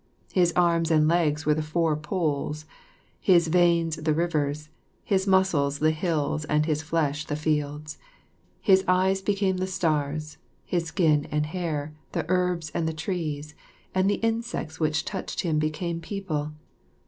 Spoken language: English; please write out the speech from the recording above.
His arms and legs were the four poles, his veins the rivers, his muscles the hills and his flesh the fields. His eyes became the stars, his skin and hair the herbs and the trees, and the insects which touched him became people.